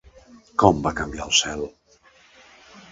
Com va canviar el cel?